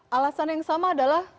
alasan yang sama adalah